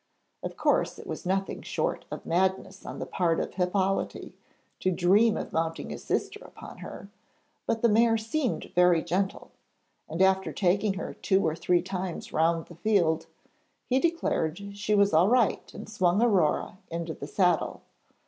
Of course it was nothing short of madness on the part of Hippolyte to dream of mounting his sister upon her, but the mare seemed very gentle, and after taking her two or three times round the field he declared she was all right, and swung Aurore into the saddle.